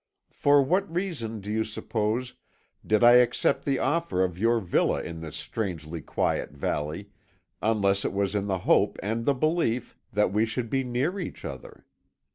For what reason, do you suppose, did I accept the offer of your villa in this strangely quiet valley, unless it was in the hope and the belief that we should be near each other?